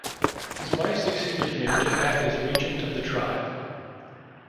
His wife succeeded him to act as regent of the tribe.